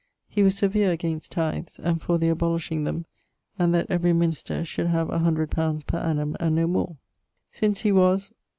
He was severe against tythes, and for the abolishing them, and that every minister should have 100 li. per annum and no more. Since he was